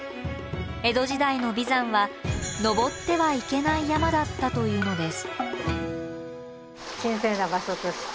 江戸時代の眉山は登ってはいけない山だったというのです。